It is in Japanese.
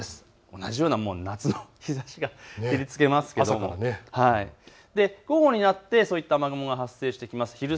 同じような夏の日ざしが照りつけますけれども午後になって雨雲が発生してきます。